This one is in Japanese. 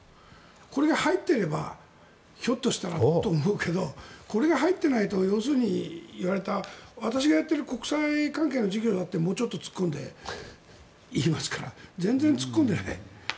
これが入っていればひょっとしたらと思うけどこれが入っていないなら要するに言われた私がやっている国際関係の授業だってもうちょっと突っ込んで言いますから全然突っ込んでない。